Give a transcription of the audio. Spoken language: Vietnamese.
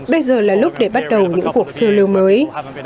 bây giờ là lúc để bắt đầu những cuộc phiêu lưu mới